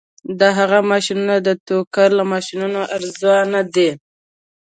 د هغه ماشینونه د ټوکر له ماشینونو ارزانه دي